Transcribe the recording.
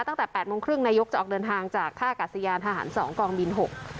ตั้งแต่๘โมงครึ่งนายกจะออกเดินทางจากท่ากาศยานทหาร๒กองบิน๖